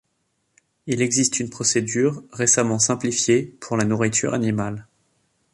Il existe une procédure, récemment simplifiée, pour la nourriture animale.